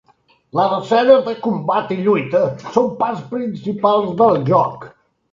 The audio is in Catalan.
Les escenes de combat i lluita són parts principals del joc.